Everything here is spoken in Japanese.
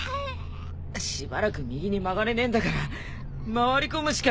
しばらく右に曲がれねえんだから回り込むしか。